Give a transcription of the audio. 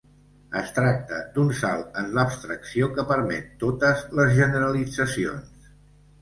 Es tracta d'un salt en l'abstracció que permet totes les generalitzacions.